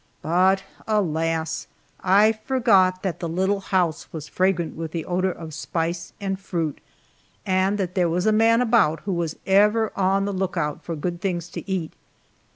But alas! I forgot that the little house was fragrant with the odor of spice and fruit, and that there was a man about who was ever on the lookout for good things to eat.